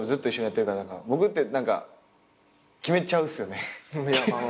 僕って何か決めちゃうっすよね。